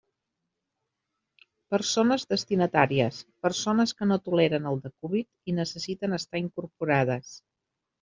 Persones destinatàries: persones que no toleren el decúbit i necessiten estar incorporades.